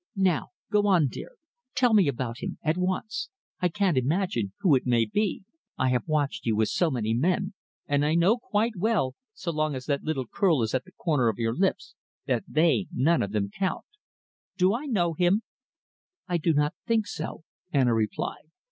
Now go on, dear. Tell me about him at once. I can't imagine who it may be. I have watched you with so many men, and I know quite well, so long as that little curl is at the corner of your lips, that they none of them count. Do I know him?" "I do not think so," Anna replied.